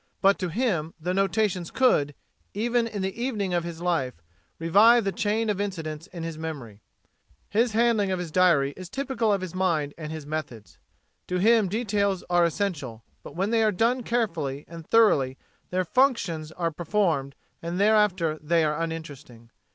But to him the notations could even in the evening of his life revive the chain of incidents in memory. His handling of his diary is typical of his mind and his methods. To him details are essential, but when they are done carefully and thoroughly their functions are performed and thereafter they are uninteresting.